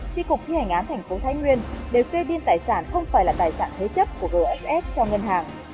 tri cục thi hành án thành phố thái nguyên đều kê biên tài sản không phải là tài sản thế chấp của gs cho ngân hàng